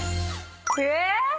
え⁉